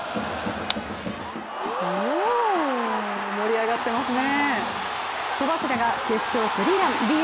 盛り上がってますね。